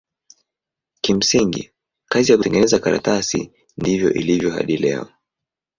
Kimsingi kazi ya kutengeneza karatasi ndivyo ilivyo hadi leo.